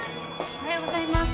・おはようございます。